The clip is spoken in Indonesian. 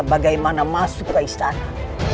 bagaimana masuk ke istana